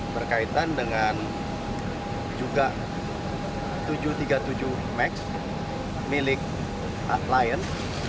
berkaitan dengan juga tujuh ratus tiga puluh tujuh max milik lion